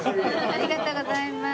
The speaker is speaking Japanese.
ありがとうございます。